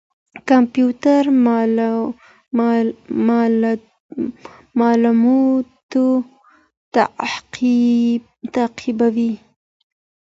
کمپيوټر مالونه تعقيبوي.